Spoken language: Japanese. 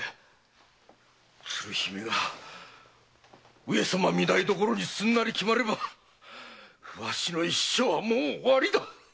鶴姫が上様御台所にすんなり決まればわしの一生は終わりだ！